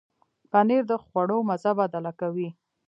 پنېر د خواړو مزه بدله کوي.